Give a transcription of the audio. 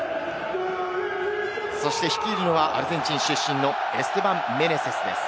そして、率いるのはアルゼンチン出身のエステバン・メネセスです。